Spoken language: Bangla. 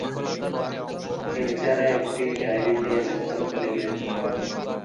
এ ছাড়া একটি ডায়েরিতে এসব তথ্য লিখে রাখতে পারেন।